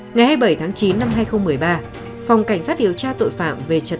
ngày hai mươi bảy tháng chín năm hai nghìn một mươi ba phòng cảnh sát điều tra tội phạm về trật tự